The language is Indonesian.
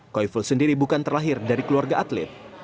koiful sendiri bukan terlahir dari keluarga atlet